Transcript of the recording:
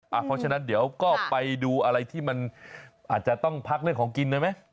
เพราะฉะนั้นเดี๋ยวก็ไปดูอะไรที่มันอาจจะต้องพักเรื่องของกินได้ไหม